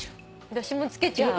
私もつけちゃう。